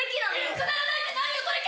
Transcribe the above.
くだらないって何よ⁉」